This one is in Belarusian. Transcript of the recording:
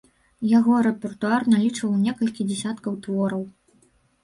Яго рэпертуар налічваў некалькі дзясяткаў твораў.